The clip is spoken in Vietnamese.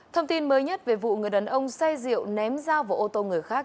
thông tin mới nhất về vụ người đàn ông say rượu ném dao vào ô tô người khác